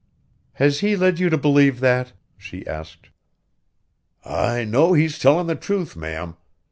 "He has led you to believe that?" she asked. "I know he's tellin' the truth, ma'am.